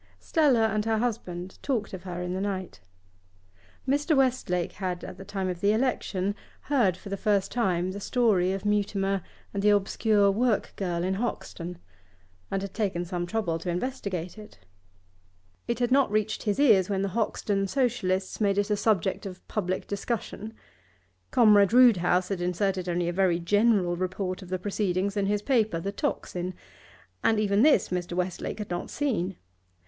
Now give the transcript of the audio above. Stella and her husband talked of her in the night. Mr. Westlake had, at the time of the election, heard for the first time the story of Mutimer and the obscure work girl in Hoxton, and had taken some trouble to investigate it. It had not reached his ears when the Hoxton Socialists made it a subject of public discussion; Comrade Roodhouse had inserted only a very general report of the proceedings in his paper the 'Tocsin, and even this Mr. Westlake had not seen.